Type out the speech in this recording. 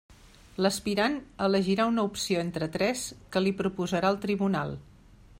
L'aspirant elegirà una opció entre tres que li proposarà el tribunal.